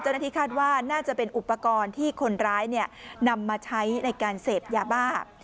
เจ้าหน้าที่คาดว่าน่าจะเป็นอุปกรณ์ที่คนร้ายนำมาใช้ในการเสพยาบ้า